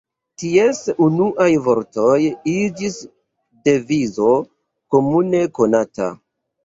Ties unuaj vortoj iĝis devizo komune konata.